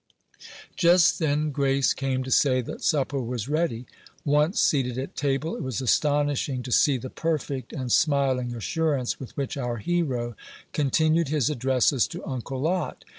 Just then, Grace came to say that supper was ready. Once seated at table, it was astonishing to see the perfect and smiling assurance with which our hero continued his addresses to Uncle Lot.